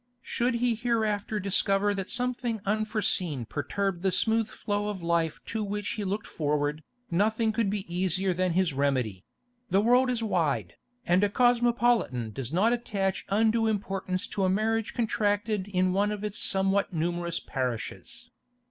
Should he hereafter discover that something unforeseen perturbed the smooth flow of life to which he looked forward, nothing could be easier than his remedy; the world is wide, and a cosmopolitan does not attach undue importance to a marriage contracted in one of its somewhat numerous parishes.